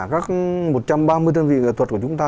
các một trăm ba mươi đơn vị nghệ thuật của chúng ta